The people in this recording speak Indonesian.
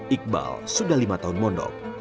iqbal sudah lima tahun mondok